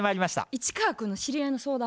市川君の知り合いの相談？